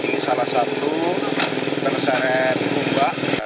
ini salah satu terseret mubah